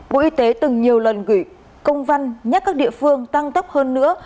bộ y tế từng nhiều lần gửi công văn nhắc các địa phương tăng tốc hơn nữa